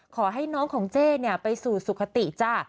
ขอให้น้องของเจ้ไปสู่สุขติจ้ะ